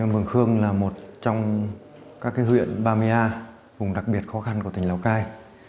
mường khương là một trong các huyện ba mươi a vùng đặc biệt khó khăn của tỉnh lào cai